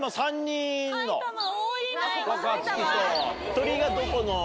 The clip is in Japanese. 鳥居がどこの？